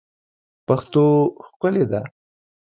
پښتو ښکلې ده